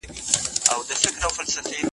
زه پرون خبري کوم